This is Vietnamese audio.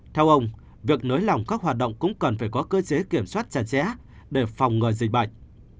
theo ông việc nới lỏng các hoạt động cũng cần phải có cơ chế kiểm soát chặt chẽ để phòng ngừa dịch bệnh